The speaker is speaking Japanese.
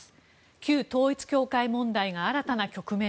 旧統一教会問題が新たな局面。